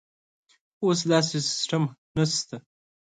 اوس داسې سیستم نشته.